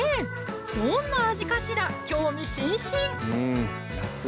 どんな味かしら興味津々！